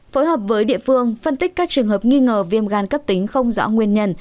phối hợp với địa phương phân tích các trường hợp nghi ngờ viêm gan cấp tính không rõ nguyên nhân